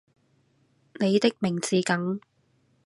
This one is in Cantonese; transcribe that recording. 你的名字梗